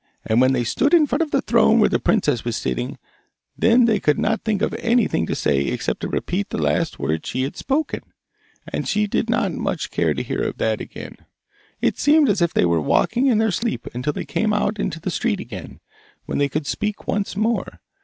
And when they stood in front of the throne where the princess was sitting, then they could not think of anything to say except to repeat the last word she had spoken, and she did not much care to hear that again. It seemed as if they were walking in their sleep until they came out into the street again, when they could speak once more.